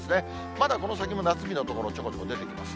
まだこの先も夏日の所、ちょこちょこ出てきます。